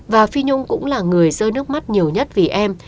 và phi nhung cũng là người rơi nước mắt nhiều nhất vì em